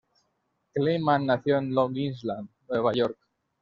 Kleiman nació en Long Island, Nueva York.